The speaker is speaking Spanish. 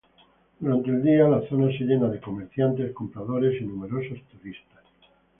Durante el día, la zona se llena de comerciantes, compradores y numerosos turistas.